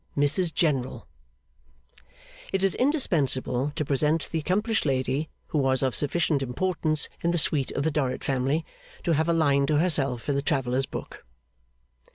Mrs General It is indispensable to present the accomplished lady who was of sufficient importance in the suite of the Dorrit Family to have a line to herself in the Travellers' Book.